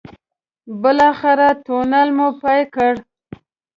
بالاخره تونل مو پای کړ.